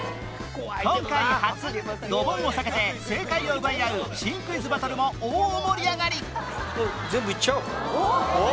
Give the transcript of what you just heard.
今回初ドボンを避けて正解を奪い合う新クイズバトルも大盛り上がり！